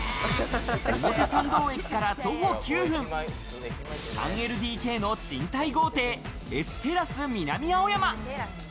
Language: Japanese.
表参道駅から徒歩９分、３ＬＤＫの賃貸豪邸、エス・テラス南青山。